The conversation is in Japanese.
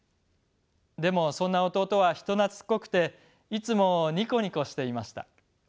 でもそんな弟は人懐っこくていつもニコニコしていました。